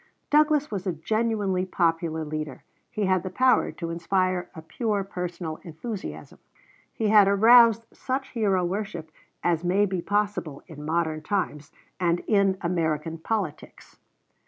Douglas was a genuinely popular leader. He had the power to inspire a pure personal enthusiasm. He had aroused such hero worship as may be possible in modern times and in American polities.